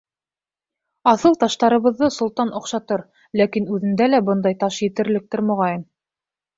Аҫыл таштарыбыҙҙы солтан оҡшатыр, ләкин үҙендә лә бындай таш етерлектер, моғайын.